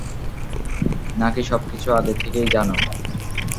না-কি সবকিছু আগে থেকেই জানো?